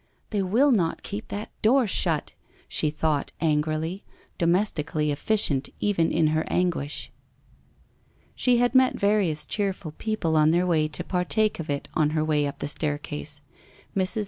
' 'They will not keep that door shut !' she thought angrily, domestically efficient even in her anguish. She had met various cheerful people on their way to partake of it on her way up the staircase. Mrs.